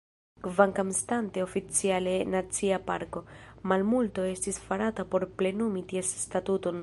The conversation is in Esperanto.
Kvankam estante oficiale nacia parko, malmulto estis farata por plenumi ties statuton.